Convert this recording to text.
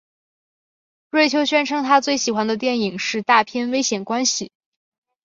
瑞秋宣称他最喜欢的电影是大片危险关系。